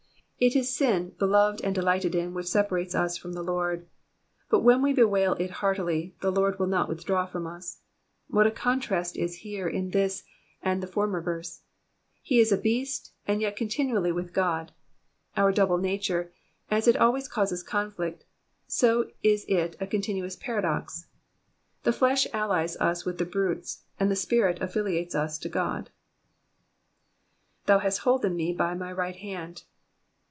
It is sin beloved and delighted in which separates us from the Lord, but when we bewail it heartily, the Lord will not withdraw from us. What 0 contrast is here in this and the former verse ! He is as a beast, and yet continually with God. Our double nature, as it always causi^ conflict, so is it a continuous paradox : the flesh allies us with the brutes, and the spirit affiliates us to God. ''''Thou hast holden me by my right Jutnd.''''